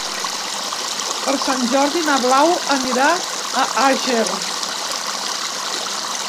Per Sant Jordi na Blau anirà a Àger.